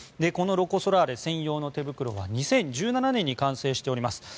このロコ・ソラーレ専用の手袋は２０１７年に完成しています。